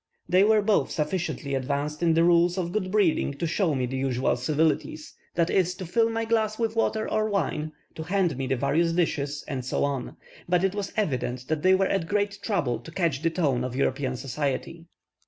They were both sufficiently advanced in the rules of good breeding to show me the usual civilities; that is, to fill my glass with water or wine, to hand me the various dishes, and so on; but it was evident that they were at great trouble to catch the tone of European society.